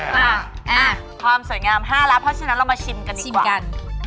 แล้วความสวยงาม๕แล้วเพราะฉะนั้นเรามาชิมกันดีกว่า